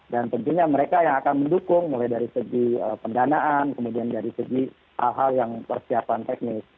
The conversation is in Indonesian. dan tentunya mereka yang akan mendukung mulai dari segi pendanaan kemudian dari segi hal hal yang persiapan teknis